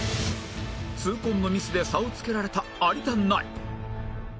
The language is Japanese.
痛恨のミスで差をつけられた有田ナイン